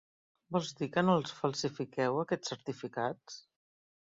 Vols dir que no els falsifiqueu, aquests certificats?